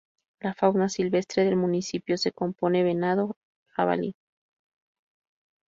La fauna silvestre del municipio se compone venado, jabalí.